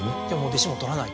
弟子も取らない。